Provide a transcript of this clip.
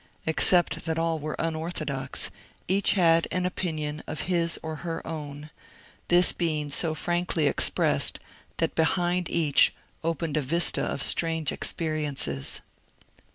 Except that all were unorthodox, each had an opinion of his or her own ; this being so frankly expressed that behind each opened a vista of strange experiences.